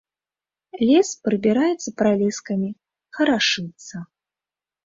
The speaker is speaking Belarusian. Лес прыбіраецца пралескамі, харашыцца.